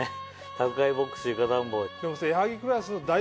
宅配ボックス床暖房。